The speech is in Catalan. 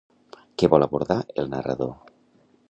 Què vol abordar el narrador?